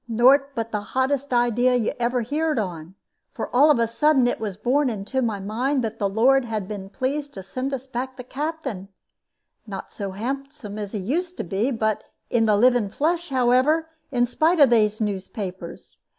Nort but the hoddest idea you ever heared on. For all of a suddint it was borne unto my mind that the Lord had been pleased to send us back the Captain; not so handsome as he used to be, but in the living flesh, however, in spite of they newspapers.